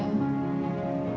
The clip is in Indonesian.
tapi ibu sering ajak saya